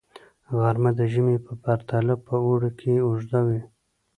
غرمه د ژمي په پرتله په اوړي کې اوږده وي